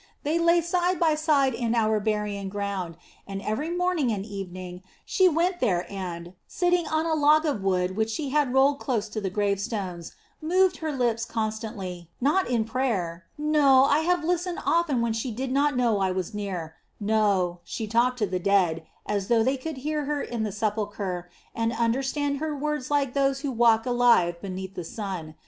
They lay side by side in our burying ground, and every morning and evening she went there and, sitting on a log of wood which she had rolled close to the gravestones, moved her lips constantly, not in prayer no, I have listened often when she did not know I was near no; she talked to the dead, as though they could hear her in the sepulchre, and understand her words like those who walk alive beneath the sun.